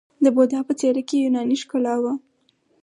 د بودا په څیره کې یوناني ښکلا وه